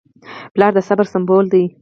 پلار د صبر سمبول دی.